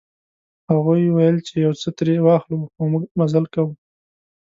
هغوی ویل چې یو څه ترې واخلو خو موږ مزل کاوه.